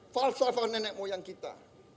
falsafah nenek moyang kita